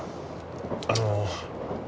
あの。